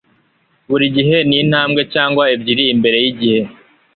Buri gihe ni intambwe cyangwa ebyiri imbere yigihe.